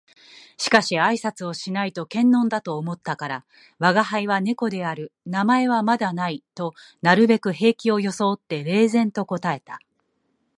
しかし挨拶をしないと険呑だと思ったから「吾輩は猫である。名前はまだない」となるべく平気を装って冷然と答えた